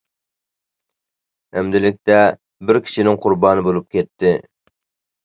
ئەمدىلىكتە بىر كېچىنىڭ قۇربانى بولۇپ كەتتى.